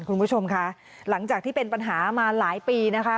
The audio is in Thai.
คุณผู้ชมค่ะหลังจากที่เป็นปัญหามาหลายปีนะคะ